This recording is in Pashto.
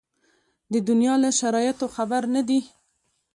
د دنیا له شرایطو خبر نه دي.